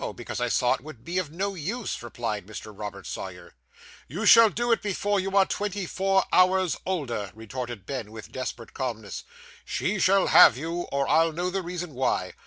Because I saw it would be of no use,' replied Mr. Robert Sawyer. 'You shall do it, before you are twenty four hours older,' retorted Ben, with desperate calmness. 'She shall have you, or I'll know the reason why.